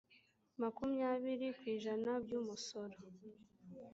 makumyabiri ku ijana by umusoro